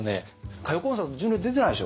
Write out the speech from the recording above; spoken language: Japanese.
「『歌謡コンサート』純烈出てないでしょ？